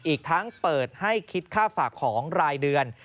อีกทั้งเปิดให้คิดค่าฝากของรายเดือน